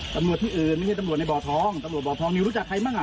ตำรวจที่อื่นไม่ใช่ตำรวจในบ่อทองตำรวจบ่อทองนิวรู้จักใครบ้างอ่ะ